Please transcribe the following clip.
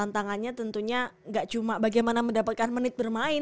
tentunya gak cuma bagaimana mendapatkan menit bermain